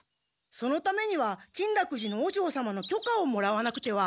そのためには金楽寺の和尚様のきょかをもらわなくては。